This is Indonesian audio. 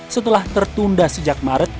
setelah tertunda sejak maret